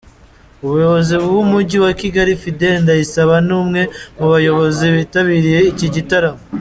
Umuyobozi w’Umujyi wa Kigali, Fidèle Ndayisaba ni umwe mu bayobozi bitabiriye iki gitaramo.